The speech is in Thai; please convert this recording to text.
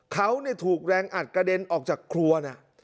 เขาถูกแรงอัดกระเด็นออกจากครัวนะ